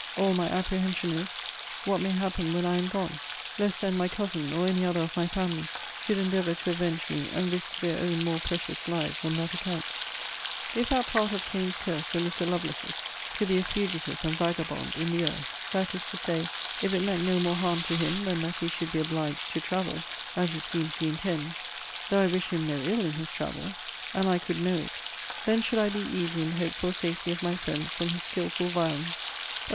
All my apprehension is, what may happen when I am gone; lest then my cousin, or any other of my family, should endeavour to avenge me, and risk their own more precious lives on that account. If that part of Cain's curse were Mr. Lovelace's, to be a fugitive and vagabond in the earth; that is to say, if it meant no more harm to him than that he should be obliged to travel, as it seems he intends, (though I wish him no ill in his travels;) and I could know it; then should I be easy in the hoped for safety of my friends from his skilful violence Oh!